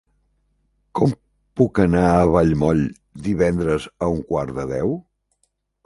Com puc anar a Vallmoll divendres a un quart de deu?